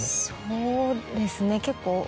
そうですね結構。